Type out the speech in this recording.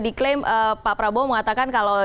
diklaim pak prabowo mengatakan kalau